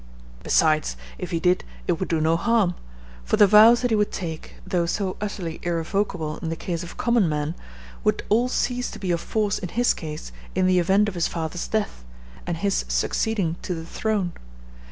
Besides, if he did, it would do no harm; for the vows that he would take, though so utterly irrevocable in the case of common men, would all cease to be of force in his case, in the event of his father's death, and his succeeding to the throne.